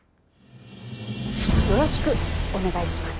よろしくお願いします！